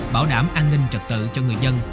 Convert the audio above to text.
bảo đảm an ninh trật tự cho người dân